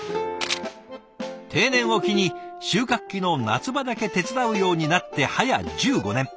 定年を機に収穫期の夏場だけ手伝うようになってはや１５年。